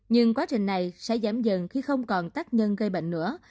nhưng quá trình này sẽ giảm dần khi không còn tác nhân gây bệnh nữa